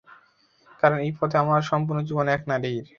কারণ, এই পথে আমার সম্পূর্ণ জীবন এক নারীর।